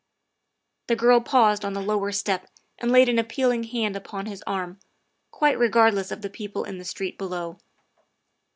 The girl paused on the lower step and laid an appeal ing hand upon his arm, quite regardless of the people in the street below.